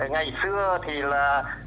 ngày xưa thì là